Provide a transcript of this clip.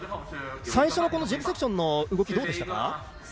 最初のジブセクションの動きどうでしたか。